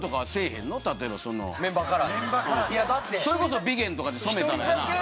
それこそビゲンとかで染めたらやな。